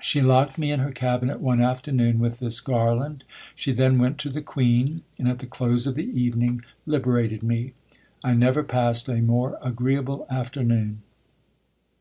She locked me in her cabinet one afternoon with this garland: she then went to the queen, and at the close of the evening liberated me. I never passed a more agreeable afternoon."